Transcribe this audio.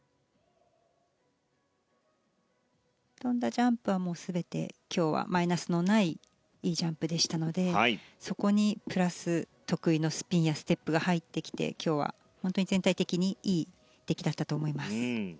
跳んだジャンプはもう全て今日はマイナスのないいいジャンプでしたのでそこにプラス得意のスピンやステップが入ってきて今日は本当に全体的にいい出来だったと思います。